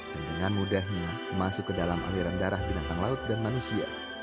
dan dengan mudahnya masuk ke dalam aliran darah binatang laut dan manusia